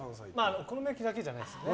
お好み焼きだけじゃないですね。